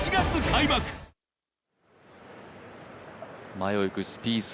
前をいくスピース。